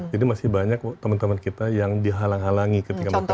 jadi masih banyak teman teman kita yang dihalang halangi ketika melakukan tugas